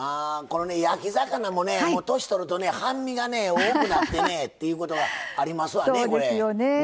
焼き魚も年をとると半身が多くなってっていうことがありますわね。